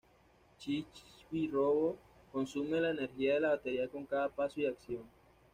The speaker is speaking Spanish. Chibi-Robo consume la energía de la batería con cada paso y acción.